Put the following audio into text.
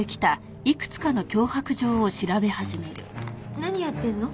何やってんの？